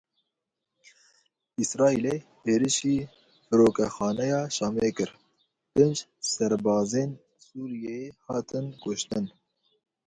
Îsraîlê êrişî Firokexaneya Şamê kir pênc serbazên Sûriyeyê hatin kuştin.